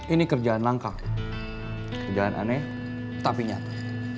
ini kerjaan langka kerjaan aneh tapi nyata